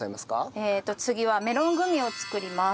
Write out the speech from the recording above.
えっと次はメロングミを作ります。